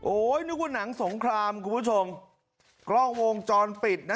นึกว่าหนังสงครามคุณผู้ชมกล้องวงจรปิดนะ